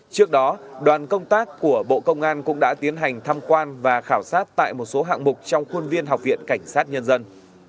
trước đó đoàn công tác của bộ công an cũng đã tiến hành thăm quan và khảo sát tại một số hạng mục trong khuôn viên học viện cảnh sát nhân dân